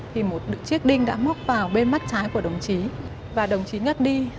thì một chiếc đinh đã móc vào bên mắt trái của đồng chí và đồng chí nhất đi